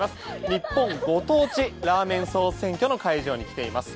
日本ご当地ラーメン総選挙の会場に来ています。